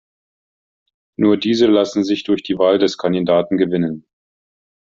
Nur diese lassen sich durch die Wahl des Kandidaten gewinnen.